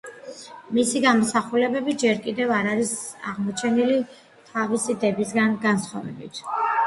მისი გამოსახულებები ჯერ კიდევ არ არის აღმოჩენილი თავისი დებისაგან განსხვავებით.